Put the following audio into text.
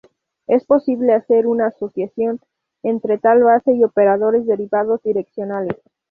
Es posible hacer una asociación entre tal base y operadores derivados direccionales.